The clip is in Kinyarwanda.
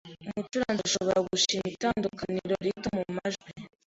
Umucuranzi arashobora gushima itandukaniro rito mumajwi.